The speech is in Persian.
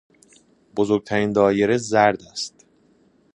بزرگترین دایره زرد است.